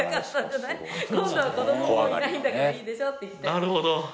なるほど！